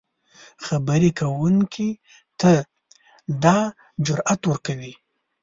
خبرې کوونکي ته دا جرات ورکوي